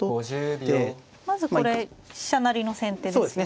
まずこれ飛車成の先手ですよね。